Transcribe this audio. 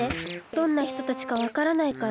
どんなひとたちかわからないから。